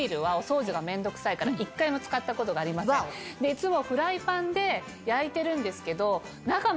いつも。